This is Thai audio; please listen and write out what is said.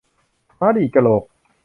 ม้าดีดกระโหลก